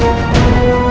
lepas petunjuknya keturunan